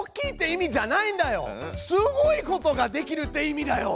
すごいことができるって意味だよ！